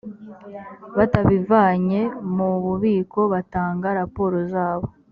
batabivanye mu bubiko batanga raporo zabo